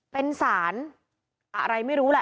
เป็นสารอะไรไม่รู้แหละ